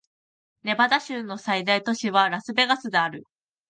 ネバダ州の最大都市はラスベガスである